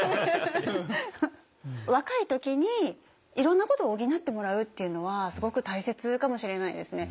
若い時にいろんなことを補ってもらうっていうのはすごく大切かもしれないですね。